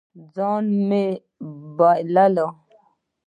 ځان من بلل